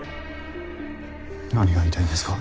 何が言いたいんですか？